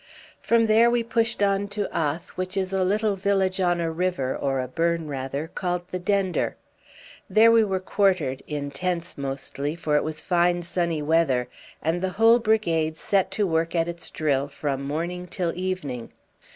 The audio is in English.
From there we pushed on to Ath, which is a little village on a river, or a burn rather, called the Dender. There we were quartered in tents mostly, for it was fine sunny weather and the whole brigade set to work at its drill from morning till evening.